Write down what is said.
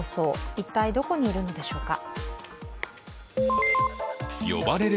一体、どこにいるのでしょうか？